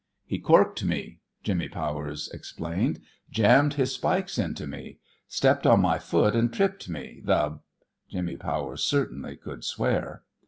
"He corked me!" Jimmy Powers explained. "Jammed his spikes into me! Stepped on my foot and tripped me, the " Jimmy Powers certainly could swear.